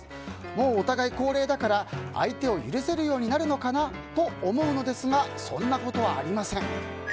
もうお互い高齢だから相手を許せるようになるのかなと思うのですがそんなことはありません。